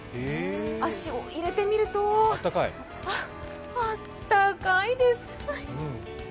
足を入れてみると、あっ、あったかいです。